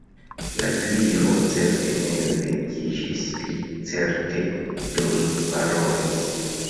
La Gliro certe ne vekiĝis, li certe dormparolis.